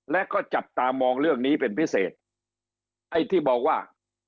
และก็จับตามองเรื่องนี้เป็นพิเศษไอ้ที่บอกว่า